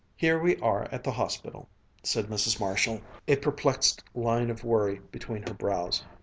"Here we are at the hospital," said Mrs. Marshall, a perplexed line of worry between her brows.